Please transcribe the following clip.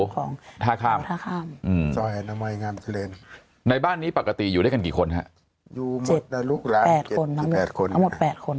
ของท่าข้ามท่าข้ามในบ้านนี้ปกติอยู่ด้วยกันกี่คนครับ๗๘คน